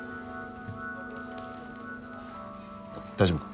大丈夫か？